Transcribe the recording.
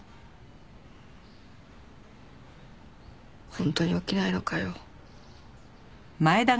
本当に起きないのかよ。